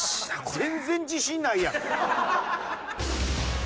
全然自信ないやん！